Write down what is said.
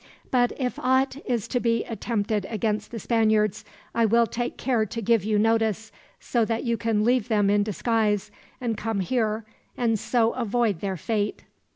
But if aught is to be attempted against the Spaniards, I will take care to give you notice, so that you can leave them in disguise and come here, and so avoid their fate."